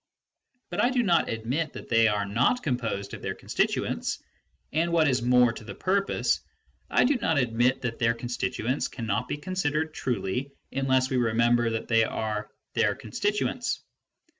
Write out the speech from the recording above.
But I do not admit that they are not composed of their constituents ; and what is more to the purpose, I do not admit that their constituents cannot be considered truly unless we remember that they are their constituents.